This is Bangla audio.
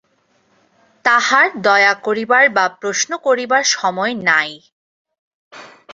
তাহার দয়া করিবার বা প্রশ্ন করিবার সময় নাই।